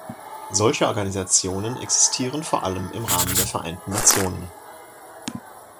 Solche Organisationen existieren vor allem im Rahmen der Vereinten Nationen.